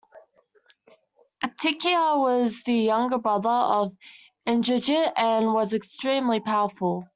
Atikaya was the younger brother of Indrajit and was extremely powerful.